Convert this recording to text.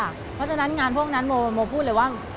เพราะฉะนั้นงานพวกนั้นโมพูดเลยว่า